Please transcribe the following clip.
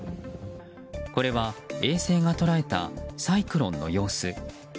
これは、衛星が捉えたサイクロンの様子。